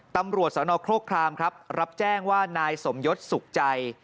ตำรวจสนโครครามครับรับแจ้งว่านายสมยศสุขใจ